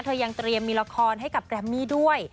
ยังเตรียมมีละครให้กับแรมมี่ด้วย